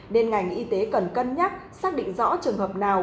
nên ngành y tế cần cân nhắc xác định rõ trường hợp nào